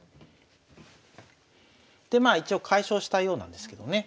でまあ一応解消したようなんですけどね。